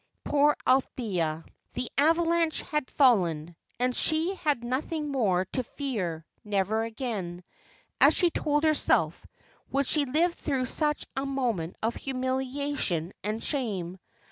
Poor Althea! The avalanche had fallen, and she had nothing more to fear; never again, as she told herself, would she live through such a moment of humiliation and shame.